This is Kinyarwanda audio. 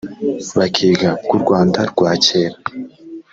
bakiga bw u rwanda rwa kera